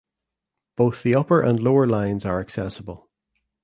Both the upper and lower lines are accessible.